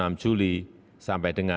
terkait aktivitas dan mobilitas masyarakat